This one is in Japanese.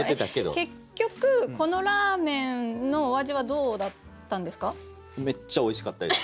結局このラーメンのお味はどうだったんですか？